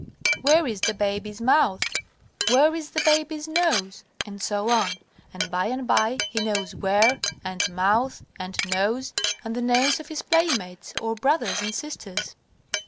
"Where is the baby's mouth?" "Where is the baby's nose?" etc., and by and by he knows "where" and "mouth" and "nose," and the names of his playmates or brothers and sisters.